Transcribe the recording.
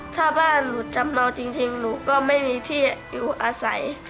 ถ้าบ้านหนูจำนองจริงหนูก็ไม่มีที่อยู่อาศัย